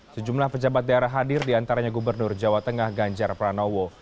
sejumlah pejabat daerah hadir diantaranya gubernur jawa tengah ganjar pranowo